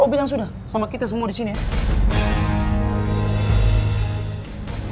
lo bilang sudah sama kita semua disini ya